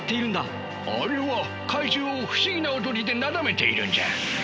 あれは怪獣を不思議な踊りでなだめているんじゃ。